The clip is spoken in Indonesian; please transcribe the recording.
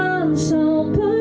kenapa masih ada